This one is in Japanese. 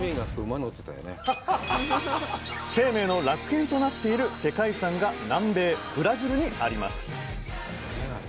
生命の楽園となっている世界遺産が南米・ブラジルにあります